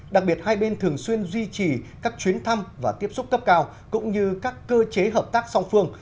đặc biệt hai bên thường xuyên duy trì các chuyến thăm và tiếp xúc cấp cao cũng như các cơ chế hợp tác song phương